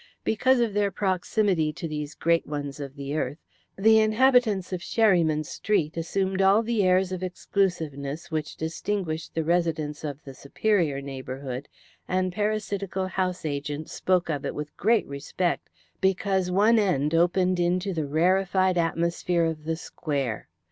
Because of their proximity to these great ones of the earth, the inhabitants of Sherryman Street assumed all the airs of exclusiveness which distinguished the residents of the superior neighbourhood, and parasitical house agents spoke of it with great respect because one end opened into the rarefied atmosphere of the Square.